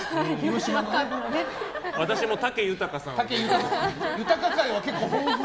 私も武豊さんを。